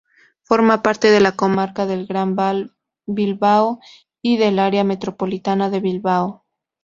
Forma parte de la comarca del Gran Bilbao y del área metropolitana de Bilbao.